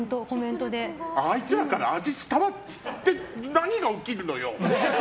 あいつらから味伝わって何が起きるのよ。